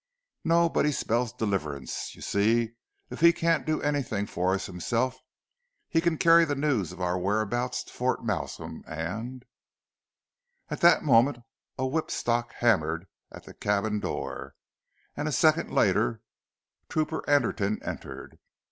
"No; but he spells deliverance. You see if he can't do anything for us himself he can carry the news of our whereabouts to Fort Malsun, and " At that moment a whip stock hammered at the cabin door, and a second later Trooper Anderton entered.